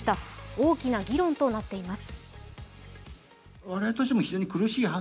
大きな議論となっています。